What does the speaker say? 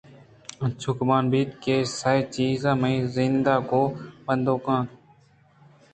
انچو گمان بیت کہ اے سئیں چیز منی زند ءَ گوں بندوک اَنت